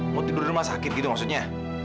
mau tidur di rumah sakit gitu maksudnya